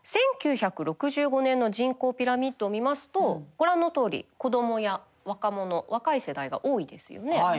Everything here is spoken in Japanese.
１９６５年の人口ピラミッドを見ますとご覧のとおり子どもや若者若い世代が多いですよね。